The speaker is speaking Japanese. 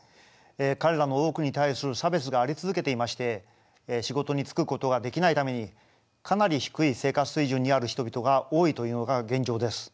彼らの多くに対する差別があり続けていまして仕事に就くことができないためにかなり低い生活水準にある人々が多いというのが現状です。